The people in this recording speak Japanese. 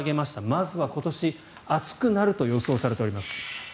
まずは今年、暑くなると予想されています。